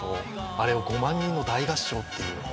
あれを５万人が大合唱という。